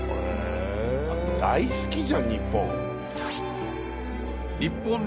大好きじゃん日本。